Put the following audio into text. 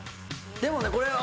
でもねこれは。